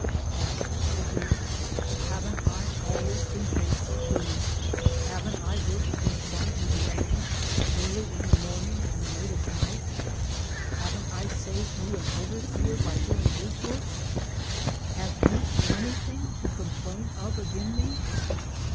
" Mas'r," said he, " habn't I always been faith ful to you? Habn't I worked through sun an' rain, early in de mornin', and late at night ; habn't I saved you an oberseer by doin' his work ; hab you any ting to complain of agin me